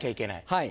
はい。